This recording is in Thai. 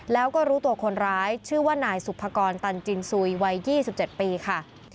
แล้วก็รู้ตัวคนร้ายชื่อว่านายสุภกรตันจินซุยวัย๒๗ปีค่ะ